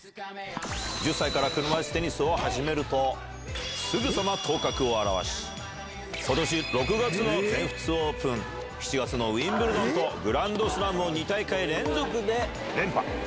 １０歳から車いすテニスを始めると、すぐさま頭角を現し、ことし６月の全仏オープン、７月のウィンブルドンと、グランドスラムを２大会連続で連覇。